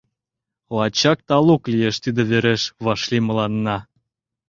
— Лачак талук лиеш тиде вереш вашлиймыланна.